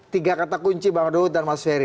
tiga kata kunci bang ruhut dan mas ferry